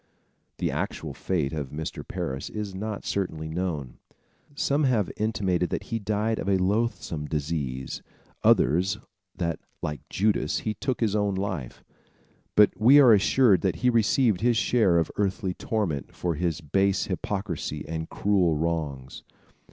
The actual fate of Mr. Parris is not certainly known. Some have intimated that he died of a loathsome disease, others that, like Judas, he took his own life; but we are assured that he received his share of earthly torment for his base hypocrisy and cruel wrongs.